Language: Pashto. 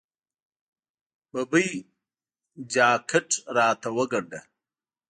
ببۍ! جاکټ راته وګنډه.